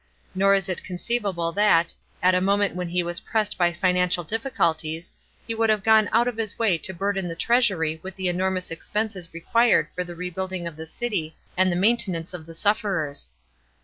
Nor is it conceivable that, at a moment when he was pressed by financial difficulties, he would have gone out of his way to burden the treasury with the enormous expenses required for the rebuilding of the city and the maintenance of the sufferers.